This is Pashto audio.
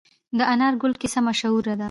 د انار ګل کیسه مشهوره ده.